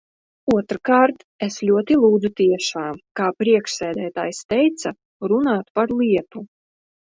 Otrkārt, es ļoti lūdzu tiešām, kā priekšsēdētājs teica, runāt par lietu.